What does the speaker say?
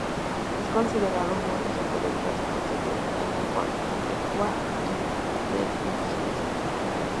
Es considerado uno de los autores más importantes en lengua quechua y del indigenismo.